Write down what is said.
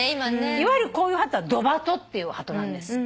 いわゆるこういうハトはドバトっていうハトなんです。